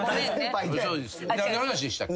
何の話でしたっけ？